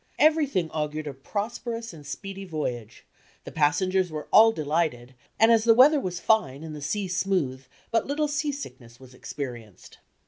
Everything augured a prosperous and speedy voyage, the passengers were all delighted, and as the weather was fine and the sea smooth, but little seasickness was experienced.